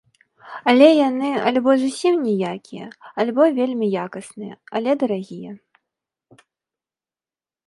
Але яны альбо зусім ніякія, альбо вельмі якасныя, але дарагія.